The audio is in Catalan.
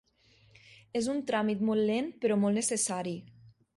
És un tràmit molt lent però molt necessari.